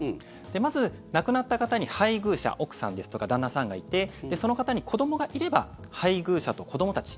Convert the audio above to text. まず、亡くなった方に配偶者奥さんですとか旦那さんがいてその方に子どもがいれば配偶者と子どもたち